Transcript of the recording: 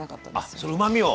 あっそのうまみを。